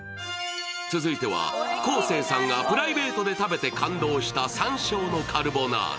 続いては、昴生さんがプライベートで食べて感動した山椒のカルボナーラ。